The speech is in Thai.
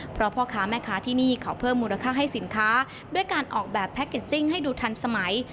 เพราะพ่อค้าแม่ค้าที่นี่เขาเพิ่มมูลค่าให้สินค้าด้วยการออกแบบแพ็กเกจจิ้งให้ดูทันสมัย